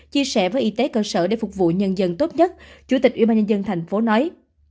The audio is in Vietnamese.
chia sẻ với y tế cơ sở để phục vụ nhân dân tốt nhất chủ tịch ubnd tp nói